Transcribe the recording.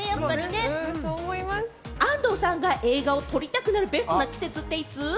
安藤さんが映画を撮りたくなるベストな季節っていつ？